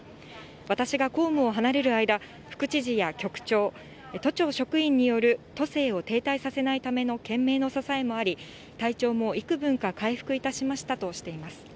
私が公務を離れる間、副知事や局長、都庁職員による都政を停滞させないための懸命の支えもあり、体調もいくぶんか回復いたしましたとしています。